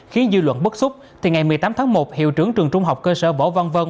khi dư luận bất xúc thì ngày một mươi tám tháng một hiệu trưởng trường trung học cơ sở bỏ văn vân